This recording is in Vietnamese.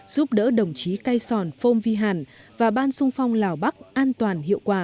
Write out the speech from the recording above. giúp đỡ đồng chí cây sòn phôm vi hàn và ban xung phong lào bắc an toàn hiệu quả